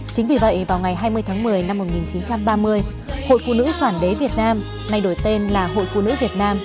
chính vì vậy vào ngày hai mươi tháng một mươi năm một nghìn chín trăm ba mươi hội phụ nữ phản đế việt nam nay đổi tên là hội phụ nữ việt nam